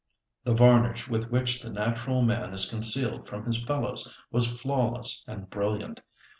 The varnish with which the natural man is concealed from his fellows was flawless and brilliant.